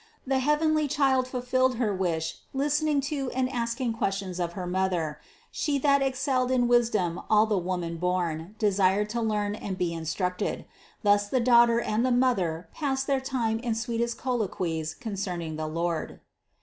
The heavenly Child fulfilled her wish listening to and asking questions of her mother ; She that excelled in wisdom all the woman born, desired to learn and be instructed. Thus the Daughter and the mother passed their time in sweetest colloquies concerning the Lord.